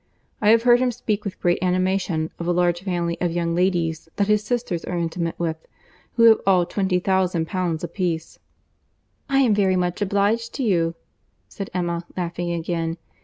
I have heard him speak with great animation of a large family of young ladies that his sisters are intimate with, who have all twenty thousand pounds apiece." "I am very much obliged to you," said Emma, laughing again.